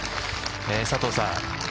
佐藤さん。